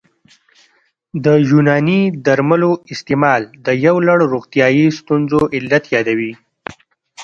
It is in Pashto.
د یوناني درملو استعمال د یو لړ روغتیايي ستونزو علت یادوي